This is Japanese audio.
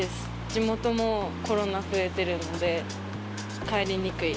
地元もコロナ増えてるので、帰りにくい。